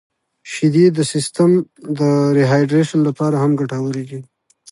• شیدې د سیستم د ریهایدریشن لپاره هم ګټورې دي.